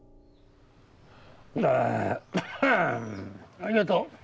ありがとう。